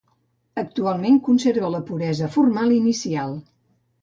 Actualment conserva la puresa formal inicial.